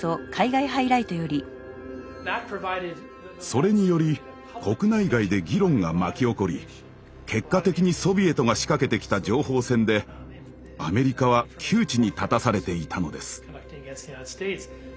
それにより国内外で議論が巻き起こり結果的にソビエトが仕掛けてきた情報戦でアメリカは窮地に立たされていたのです。